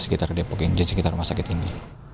sekitar depok ini di sekitar rumah sakit ini